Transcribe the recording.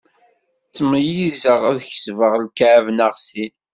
Ttmeyyizeɣ ad kesbeɣ ikɛeb neɣ sin.